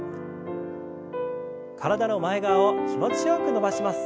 体の前側を気持ちよく伸ばします。